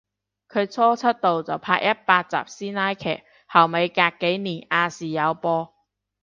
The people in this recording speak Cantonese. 佢初出道就拍一百集師奶劇，後尾隔幾年亞視有播